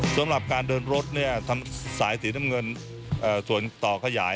สำหรับการเดินรถสายสีน้ำเงินส่วนต่อขยาย